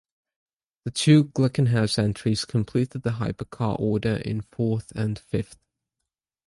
The two Glickenhaus entries completed the Hypercar order in fourth and fifth.